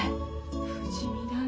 不死身だねえ。